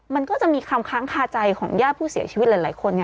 มันก็จะมีคำค้างคาใจของญาติผู้เสียชีวิตหลายคน